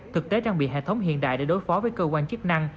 thực tế trang bị hệ thống hiện đại để đối phó với cơ quan chức năng